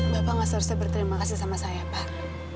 bapak nggak seharusnya berterima kasih sama saya pak